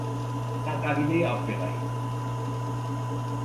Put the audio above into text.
سر قبیلهی افریقایی